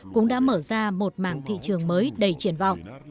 cũng đã mở ra một mảng thị trường mới đầy triển vọng